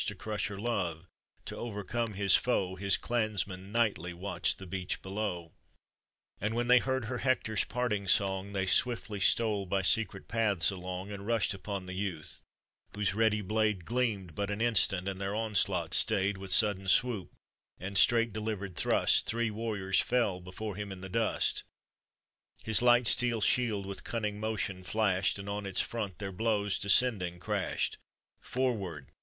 To crush her love, to overcome his foe, His clansmen nightly watched the beach be low; And when they heard her Hector's parting song,* They swiftly stole by secret paths along, And rushed upon the youth, whose ready blade Gleamed but an instant, and their onslaught stayed — With sudden swoop, and straight delivered thrust, Three warriors fell before him in the dust. His light steel shield with cunning motion flashed, And on its front their blows descending crashed. Forward!